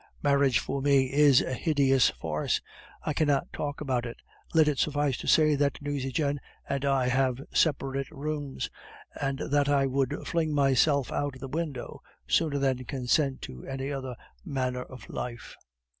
Marriage for me is a hideous farce; I cannot talk about it, let it suffice to say that Nucingen and I have separate rooms, and that I would fling myself out of the window sooner than consent to any other manner of life.